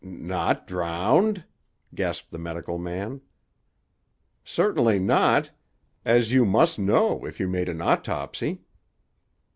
"N n not drowned!" gasped the medical man. "Certainly not! As you must know, if you made an autopsy."